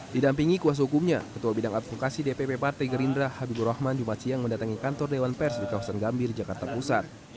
didampingi kuasa hukumnya ketua bidang advokasi dpp partai gerindra habibur rahman jumat siang mendatangi kantor dewan pers di kawasan gambir jakarta pusat